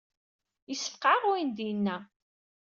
Yessefqeɛ-aɣ wayen i d-yenna.